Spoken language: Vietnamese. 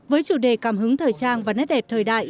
với chủ đề cảm hứng thời trang và nét đẹp thời đại